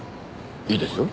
いいですよ。